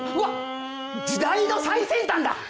時代の最先端だ！